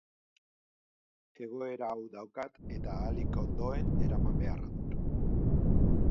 Egoera hau daukat eta ahalik ondoen eraman beharra dut.